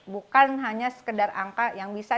bukan hanya sekedar angka yang bisa